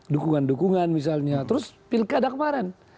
dukungan dukungan misalnya terus pilkada kemarin